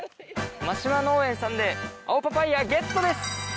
嶋農園さんで青パパイヤゲットです！